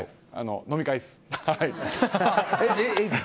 飲み会です。